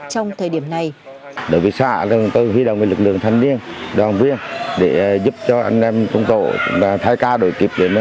trong thời điểm này các chốt kiểm tra y tế lên ngành ở cửa ngõ phía bắc và phía nam của tỉnh thơ thiên huế